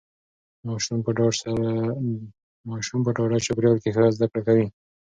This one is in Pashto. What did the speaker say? ماسوم په ډاډه چاپیریال کې ښه زده کړه کوي.